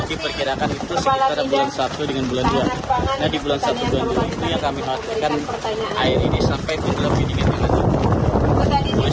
kirkirakan itu sekitar bulan satu dua mengetikan setidaknya langsung air ini sampai ke belah